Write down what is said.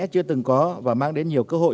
chưa từng có và mang đến nhiều cơ hội